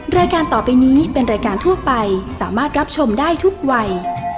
รายการต่อไปนี้เป็นรายการทั่วไปสามารถรับชมได้ทุกวัย